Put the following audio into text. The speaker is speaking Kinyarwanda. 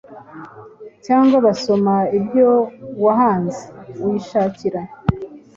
cyangwa basoma ibyo wahanze. Uyishakira